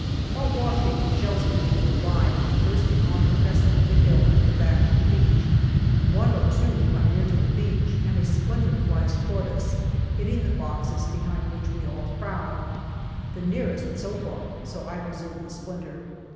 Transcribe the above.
While washing, shells begin to arrive, bursting on the crest of the hill at the back of the beach. One or two come near to the beach and a splinter flies towards us, hitting the boxes behind which we all crowd. The nearest, so far, so I preserve the splinter.